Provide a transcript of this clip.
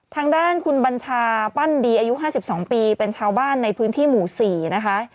ทางด้านคุณบัญชาปั้นดีอายุ๕๒ปีเป็นชาวบ้านในพื้นที่หมู่๔นะคะ